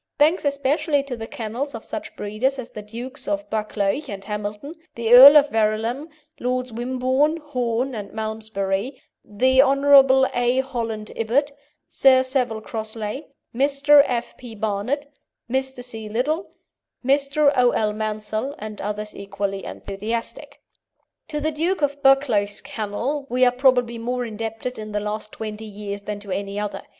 Thanks especially to the kennels of such breeders as the Dukes of Buccleuch and Hamilton, the Earl of Verulam, Lords Wimborne, Horne, and Malmesbury, the Hon. A. Holland Hibbert, Sir Savile Crossley, Mr. F. P. Barnett, Mr. C. Liddell, Mr. O. L. Mansel, and others equally enthusiastic. To the Duke of Buccleuch's kennel we are probably more indebted in the last twenty years than to any other.